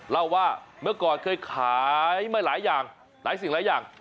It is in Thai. เล่าว่าเมื่อก่อนเคยขายมาหลายอย่างหลายสิ่งหลายอย่าง